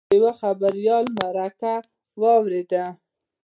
د یوه خبریال مرکه واورېده.